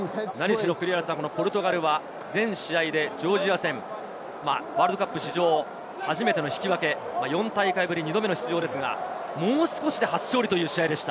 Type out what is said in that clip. ポルトガルは前試合のジョージア戦、ワールドカップ史上初めての引き分け、４大会ぶり２度目の出場ですが、もう少しで初勝利という試合でした。